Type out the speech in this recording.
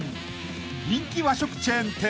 ［人気和食チェーン店］